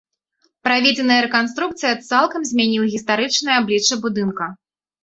Праведзеная рэканструкцыя цалкам змяніла гістарычнае аблічча будынка.